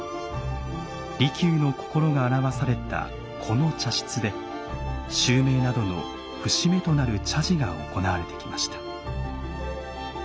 利休のこころが表されたこの茶室で襲名などの節目となる茶事が行われてきました。